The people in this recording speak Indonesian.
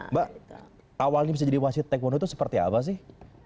mbak awalnya bisa jadi masjid taekwondo itu seperti apa sih